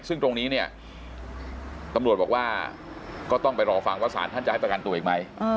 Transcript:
ซึ่งตรงนี้เนี่ยตำรวจบอกว่าก็ต้องไปรอฟังว่าสารท่านจะให้ประกันตัวอีกไหม